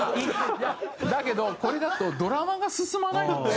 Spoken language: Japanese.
だけどこれだとドラマが進まなくって。